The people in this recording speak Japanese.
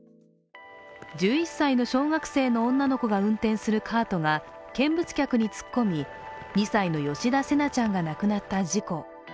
１１歳の小学生の女の子が運転するカートが見物客に突っ込み、２歳の吉田成那ちゃんが亡くなった事故。